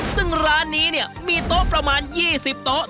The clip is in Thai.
ซึ่งร้านนี้เนี่ยมีโต๊ะประมาณ๒๐โต๊ะ